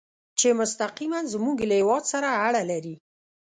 چې مستقیماً زموږ له هېواد سره اړه لري.